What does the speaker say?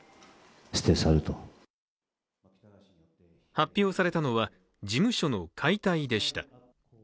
発表されたのは事務所の解体でした。